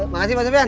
makasih pak sofian